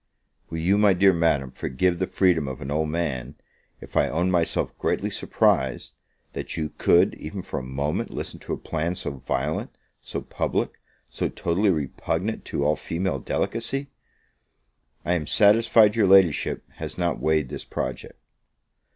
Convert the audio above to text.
Will you, my dear Madam, forgive the freedom of an old man, if I own myself greatly surprised, that you could, even for a moment, listen to a plan so violent, so public, so totally repugnant to all female delicacy? I am satisfied your Ladyship has not weighed this project.